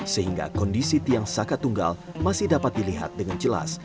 sehingga kondisi tiang saka tunggal masih dapat dilihat dengan jelas